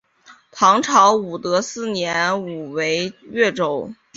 唐朝武德四年复为越州。